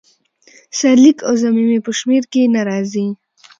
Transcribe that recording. سرلیک او ضمیمې په شمیر کې نه راځي.